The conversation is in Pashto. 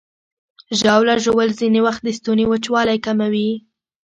ژاوله ژوول ځینې وخت د ستوني وچوالی کموي.